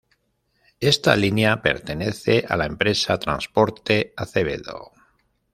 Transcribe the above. Esta línea pertenece a la empresa Transporte Acevedo.